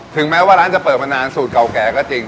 ถึงแม้ว่าร้านจะเปิดมานานสูตรเก่าแก่ก็จริง